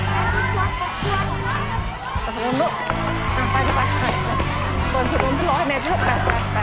ไปไปไปไปไปไปไปไปไปไปไปไปไปไปไปไปไปไปไปไป